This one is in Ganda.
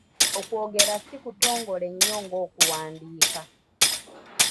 Okwogera si kutongole nnyo ng'okuwandiika.